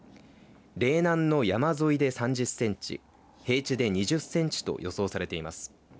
嶺南の山沿いで３０センチ平地で２０センチと予想されています。